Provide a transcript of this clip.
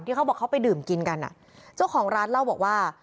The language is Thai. เขาบอกเขาไปดื่มกินกันอ่ะเจ้าของร้านเล่าบอกว่า